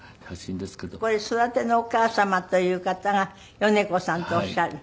これ育てのお母様という方が米子さんとおっしゃる。